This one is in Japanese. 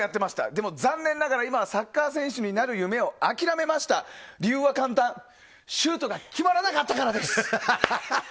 でも、残念ながら今はサッカー選手になる夢を諦めました、理由は簡単シュートが決まらなかったからです！